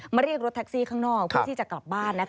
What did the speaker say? เรียกรถแท็กซี่ข้างนอกเพื่อที่จะกลับบ้าน